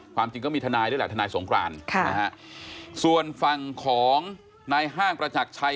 จริงก็มีทนายด้วยแหละทนายสงครานส่วนฝั่งของนายห้างประจักรชัย